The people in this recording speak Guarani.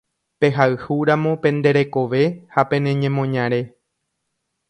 Pehayhúramo pende rekove ha pene ñemoñare.